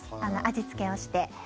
味付けをして。